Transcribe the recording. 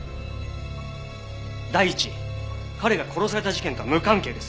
第一彼が殺された事件とは無関係です。